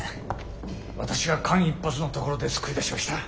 私が間一髪のところで救い出しました。